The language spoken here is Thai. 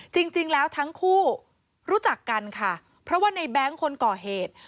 จริงแล้วทั้งคู่รู้จักกันค่ะเพราะว่าในแบงค์คนก่อเหตุ